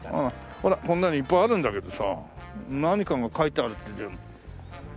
こんなにいっぱいあるんだけどさ何かが書いてあるって。